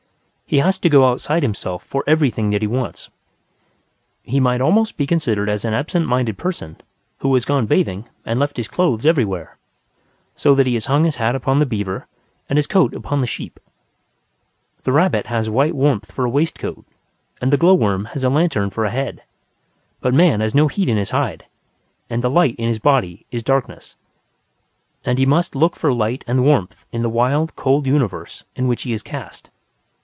He has to go outside himself for everything that he wants. He might almost be considered as an absent minded person who had gone bathing and left his clothes everywhere, so that he has hung his hat upon the beaver and his coat upon the sheep. The rabbit has white warmth for a waistcoat, and the glow worm has a lantern for a head. But man has no heat in his hide, and the light in his body is darkness; and he must look for light and warmth in the wild, cold universe in which he is cast.